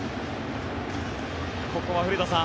ここは古田さん